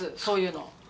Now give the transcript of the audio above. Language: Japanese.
そういうの。